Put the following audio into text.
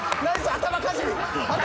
頭かじり！